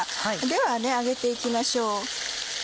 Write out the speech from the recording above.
では上げて行きましょう。